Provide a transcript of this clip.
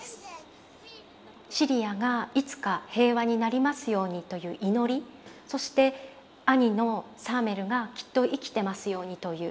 シリアがいつか平和になりますようにという祈りそして兄のサーメルがきっと生きてますようにという希望。